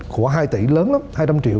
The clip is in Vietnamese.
của hai tỷ lớn lắm hai trăm linh triệu